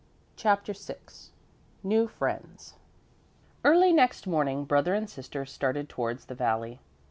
CHAPTER VI NEW FRIENDS Early next morning brother and sister started towards the valley.